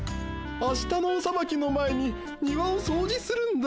あしたのおさばきの前に庭をそうじするんだ。